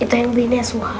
itu yang bini ya suha